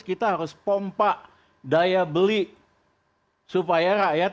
kita harus pompa daya